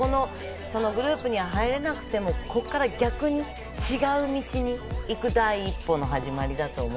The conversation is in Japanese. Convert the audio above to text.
グループには入れなくても、ここから逆に違う道に行く第一歩の始まりだと思う。